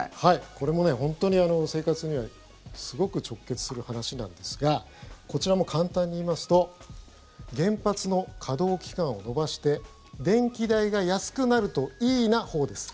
これも本当に、生活にはすごく直結する話なんですがこちらも簡単に言いますと原発の稼働期間を延ばして電気代が安くなるといいな法です。